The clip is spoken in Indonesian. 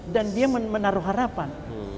dan dia menaruh harapan